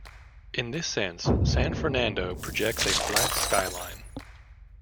In this sense, San Fernando projects a flat skyline.